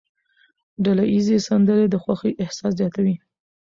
ډلهییزې سندرې د خوښۍ احساس زیاتوي.